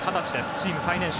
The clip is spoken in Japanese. チーム最年少。